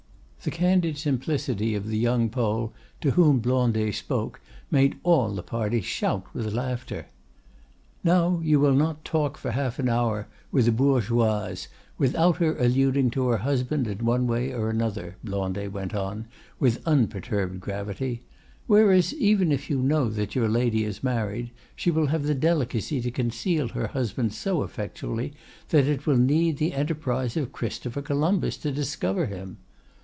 The candid simplicity of the young Pole, to whom Blondet spoke, made all the party shout with laughter. "Now, you will not talk for half an hour with a bourgeoise without her alluding to her husband in one way or another," Blondet went on with unperturbed gravity; "whereas, even if you know that your lady is married, she will have the delicacy to conceal her husband so effectually that it will need the enterprise of Christopher Columbus to discover him.